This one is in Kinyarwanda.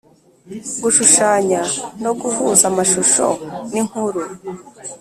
-gushushanya no guhuza amashusho n’inkuru ;